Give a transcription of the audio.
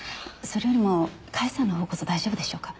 それよりも甲斐さんの方こそ大丈夫でしょうか？